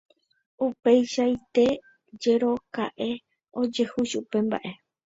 Upeichaite jekoraka'e ojehu chupe mba'e.